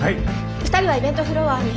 ２人はイベントフロアに避難誘導を。